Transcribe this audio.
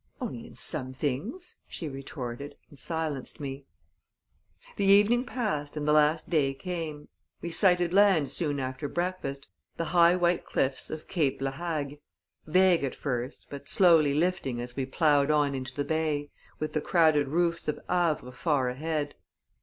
"Only in some things," she retorted, and silenced me. The evening passed and the last day came. We sighted land soon after breakfast the high white cliffs of Cape La Hague vague at first, but slowly lifting as we plowed on into the bay, with the crowded roofs of Havre far ahead.